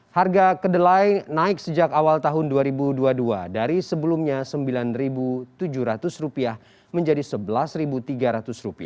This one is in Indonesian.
harga kedelai naik sejak awal tahun dua ribu dua puluh dua dari sebelumnya rp sembilan tujuh ratus menjadi rp sebelas tiga ratus